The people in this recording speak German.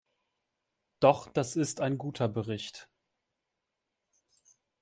Doch das ist ein guter Bericht.